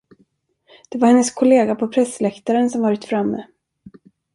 Det var hennes kollega på pressläktaren som varit framme.